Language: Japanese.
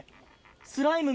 スライム？